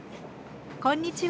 こんにちは。